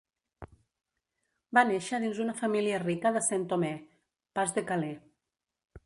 Va néixer dins una família rica de Saint-Omer, Pas de Calais.